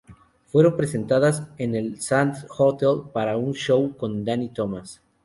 Fueron presentadas en el Sands Hotel para un show con Danny Thomas.